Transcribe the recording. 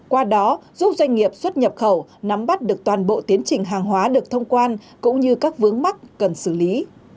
qua đó giúp doanh nghiệp xuất nhập khẩu nắm bắt được toàn bộ tiến trình hàng hóa được thông quan cũng như các vướng mắt cần xử lý